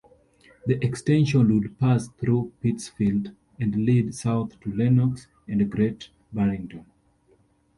The extension would pass through Pittsfield and lead south to Lenox and Great Barrington.